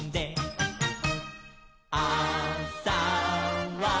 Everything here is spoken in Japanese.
「あさは」